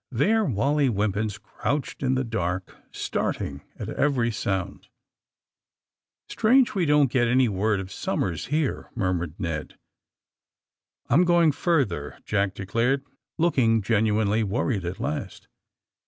There Wally Wimpins crouched in the dark, starting at every sound, ^* Strange we don't get any word of Somera here, '' murmured Ned. '^I'm going further," Jack declared, looking genuinely worried at last.